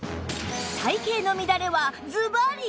体形の乱れはズバリ！